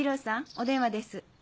お電話です。